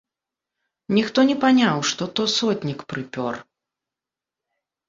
Ніхто не паняў, што то сотнік прыпёр!